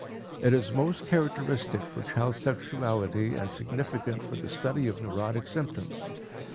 It is most characteristic for child sexuality and significant for the study of neurotic symptoms.